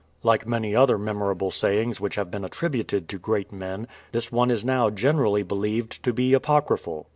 Like many other memorable sayings which have been attributed to great men, this one is now generally believed to be apocryphal.